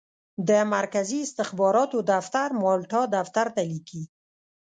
د مرکزي استخباراتو دفتر مالټا دفتر ته لیکي.